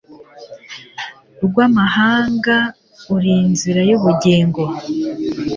rw'amahanga, uri inzira y'ubugingo